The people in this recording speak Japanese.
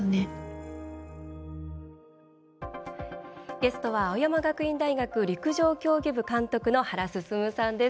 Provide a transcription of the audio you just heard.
ゲストは青山学院大学陸上競技部監督の原晋さんです。